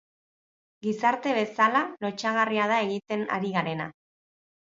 Gizarte bezala lotsagarria da egiten ari garena.